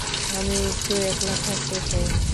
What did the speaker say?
আমি একটু একলা থাকতে চাই।